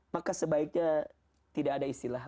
maka sebaiknya tidak ada istilah